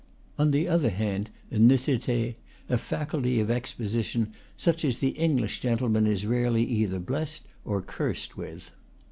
On the other hand, a nettete, a faculty of exposition, such as the English gentleman is rarely either blessed or cursed with.